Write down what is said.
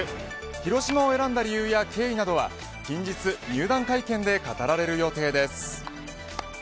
広島を選んだ理由や経緯などは近日入団会見で語られる予定です。